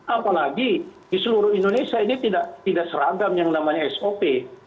apalagi di seluruh indonesia ini tidak seragam yang namanya sop